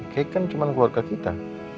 kek kan cuma keluarga kita